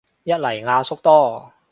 一嚟阿叔多